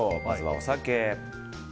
まずはお酒。